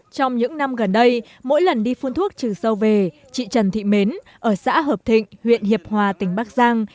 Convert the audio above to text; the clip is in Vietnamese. trong những năm gần đây mỗi lần đi phun thuốc trừ sâu về chị trần thị mến ở xã hợp thịnh huyện hiệp hòa tỉnh bắc giang